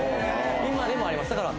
今でもあります。